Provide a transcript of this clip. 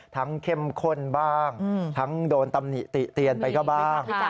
เข้มข้นบ้างทั้งโดนตำหนิติเตียนไปก็บ้าง